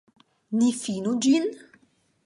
Ni finu ĝin?